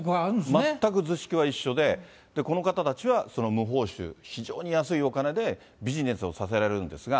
全く図式は一緒で、この方たちは無報酬、非常に安いお金でビジネスをさせられるんですが、